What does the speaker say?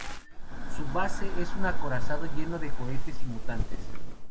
Su base es un acorazado lleno de cohetes y de mutantes.